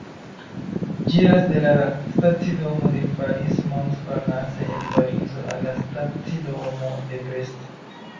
Ĝi iras de la stacidomo de Paris-Montparnasse en Parizo al la stacidomo de Brest.